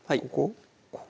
ここ？